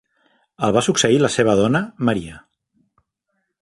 El va succeir la seva dona, Ma.